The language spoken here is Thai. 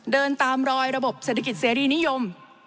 เดินตามรอยระบบเศรษฐกิจเสรีนิยม